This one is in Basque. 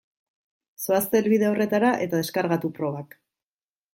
Zoazte helbide horretara eta deskargatu probak.